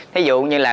thí dụ như là